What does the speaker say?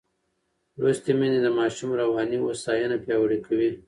لوستې میندې د ماشوم رواني هوساینه پیاوړې کوي.